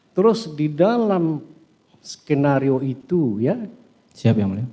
terus di dalam skenario itu